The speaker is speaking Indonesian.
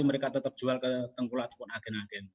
mereka tetap jual ke tengkulak ataupun agen agen